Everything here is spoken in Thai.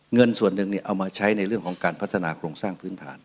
เงินส่วนหนึ่งเอามาใช้ในเรื่องของการพัฒนาโครงสร้างพื้นฐาน